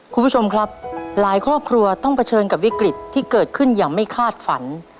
คุณผู้ชมครับหลายครอบครัวต้องเผชิญกับวิกฤตที่เกิดขึ้นอย่างไม่คาดฝัน